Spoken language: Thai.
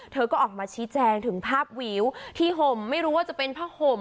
เธอก็ออกมาชี้แจงถึงภาพวิวที่ห่มไม่รู้ว่าจะเป็นผ้าห่ม